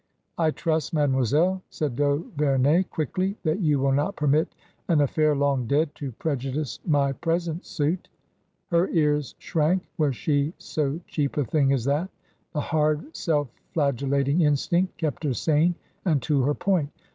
"I trust, mademoiselle," said d'Auverney, quickly, "that you will not permit an aflfair long dead to preju dice my present suit." Her ears shrank ; was she so cheap a thing as that ? The hard, self flagellating instinct kept her sane and to her point.